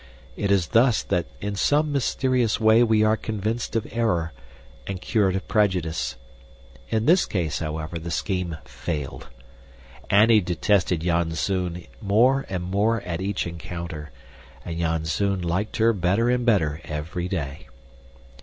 It is thus that in some mysterious way we are convinced of error and cured of prejudice. In this case, however, the scheme failed. Annie detested Janzoon more and more at each encounter; and Janzoon liked her better and better every day.